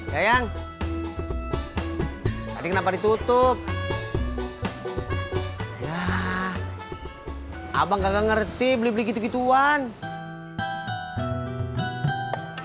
ya yang tadi kenapa ditutup abang nggak ngerti beli beli gitu gituan ya udah mereknya apaan